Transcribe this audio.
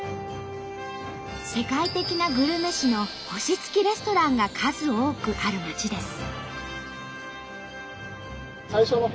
世界的なグルメ誌の星付きレストランが数多くある街です。